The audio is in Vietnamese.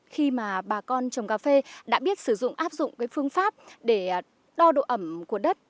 khi mà bà con trồng cà phê đã biết sử dụng áp dụng phương pháp để đo độ ẩm của đất